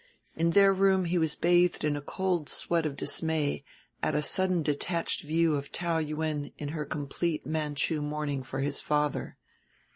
In their room he was bathed in a cold sweat of dismay at a sudden detached view of Taou Yuen in her complete Manchu mourning for his father.